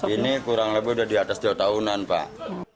ini kurang lebih udah di atas dua tahunan pak